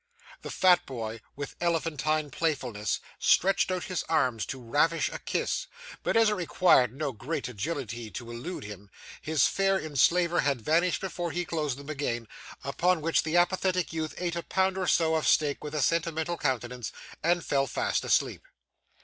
The fat boy, with elephantine playfulness, stretched out his arms to ravish a kiss; but as it required no great agility to elude him, his fair enslaver had vanished before he closed them again; upon which the apathetic youth ate a pound or so of steak with a sentimental countenance, and fell fast asleep.